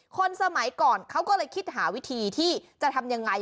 คนสมัยก่อนเขาก็เลยคิดหาวิธีที่จะทำยังไง